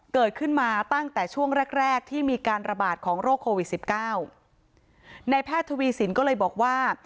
เกิดขึ้นมาตั้งแต่ช่วงแรกแรกที่มีการระบาดของโรคโควิดสิบเก้าในแพทย์ทวีสินก็เลยบอกว่า